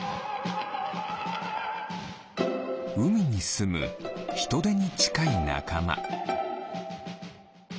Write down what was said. うみにすむヒトデにちかいなかま。